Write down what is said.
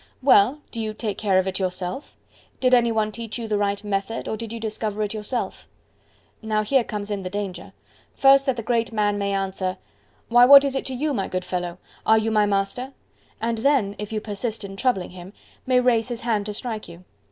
"Well, do you take care of it yourself? Did any one teach you the right method, or did you discover it yourself?" Now here comes in the danger: first, that the great man may answer, "Why, what is that to you, my good fellow? are you my master?" And then, if you persist in troubling him, may raise his hand to strike you.